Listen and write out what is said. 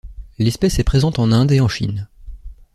L'espèce est présente en Inde et en Chine.